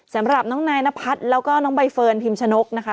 สำหรับน้องนายนพัฒน์แล้วก็น้องใบเฟิร์นพิมชนกนะคะ